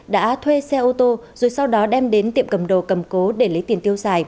đã thuê xe ô tô rồi sau đó đem đến tiệm cầm đồ cầm cố để lấy tiền tiêu xài